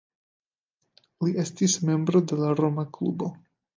Li estis membro de la Roma Klubo.